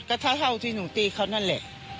ก็เท่าที่หนูตีเขานั่นแหละ